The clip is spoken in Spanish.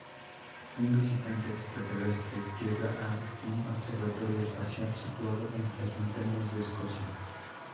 Un visitante extraterrestre llega a un observatorio espacial situado en las montañas de Escocia.